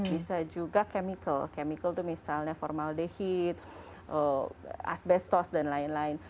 bisa juga chemical chemical itu misalnya formal dehid asbestos dan lain lain